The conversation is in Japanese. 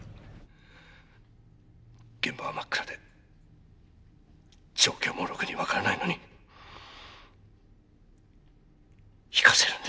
現場は真っ暗で状況もろくに分からないのに行かせるんですね。